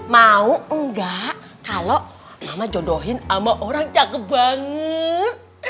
mau enggak kalau mama jodohin sama orang cakep banget